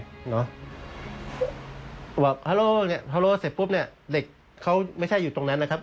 บอกฮัลโหลเสร็จปุ๊บเด็กเขาไม่ใช่อยู่ตรงนั้นนะครับ